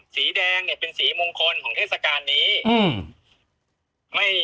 สีแดงแส่มุงคลเทศกาลนี้